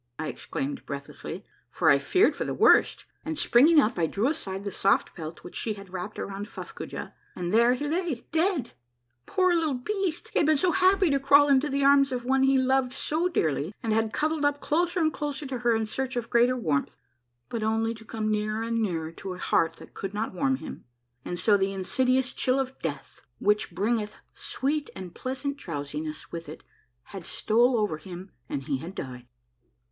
" I exclaimed breathlessly, for I feared for the worst, and springing up I di'ew aside the soft pelt which she had wrapped around Fuffcoojah, and there he lay, dead ! Poor little beast, he had been so happy to crawl into the arms of one he loved so dearly, and had cuddled up closer and closer to her in search of greater warmth ; but only to come nearer and nearer to a heart that could not warm him ; and so the insidious chill of death, which bringeth sweet and pleasant drowsiness with it, had stole over him and he had died.